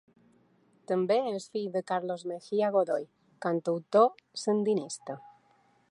També és fill de Carlos Mejia Godoy, cantautor sandinista.